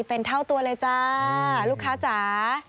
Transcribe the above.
เป็นเท่าตัวเลยจ้าลูกค้าจ๋า